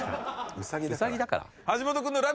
ウサギだから？